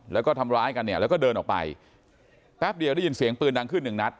แล้วก็ทำร้ายกันเนี่ยแล้วก็เดินออกไปแป๊บเดียวได้ยินเสียงปืนดังขึ้นหนึ่งนัด